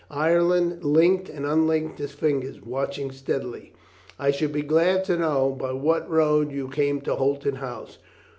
Ireton linked and unlinked his fingers, watching steadily. "I should be glad to know — by what road you came to Holton House?